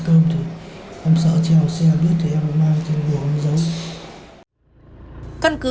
cơm thì ông sợ treo xe vứt thì em mang cho ông giấu căn cứ